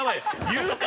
言うか！